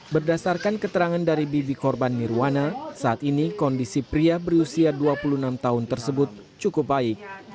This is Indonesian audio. berdasarkan keterangan dari bibi korban nirwana saat ini kondisi pria berusia dua puluh enam tahun tersebut cukup baik